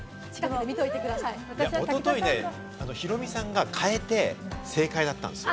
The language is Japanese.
おとといね、ヒロミさんが変えて正解だったんですよ。